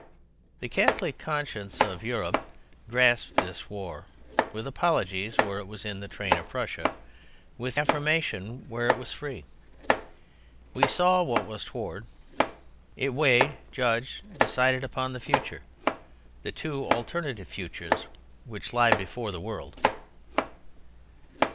The Catholic Conscience of Europe grasped this war—with apologies where it was in the train of Prussia, with affirmation where it was free. It saw what was toward. It weighed, judged, decided upon the future—the two alternative futures which lie before the world.